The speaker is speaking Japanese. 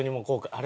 「あれ？